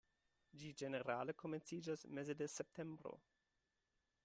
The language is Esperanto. Ĝi ĝenerale komenciĝas meze de septembro.